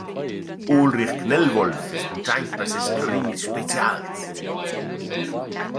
Ulrich Knellwolf es cuntschaint per seis crimis specials.